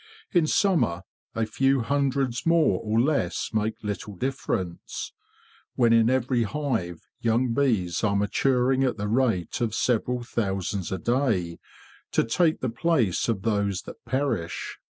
In summer a few hundreds more or less make little difference, when in every hive young bees are maturing at the rate of several thousands a day to take the place of those that perish.